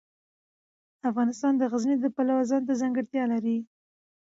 افغانستان د غزني د پلوه ځانته ځانګړتیا لري.